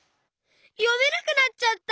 よめなくなっちゃった！